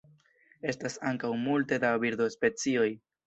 Estas ankaŭ multe da birdospecioj.